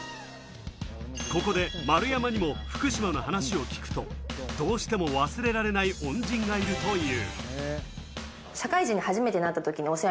ここで丸山にも福島の話を聞くと、どうしても忘れられない恩人がいるという。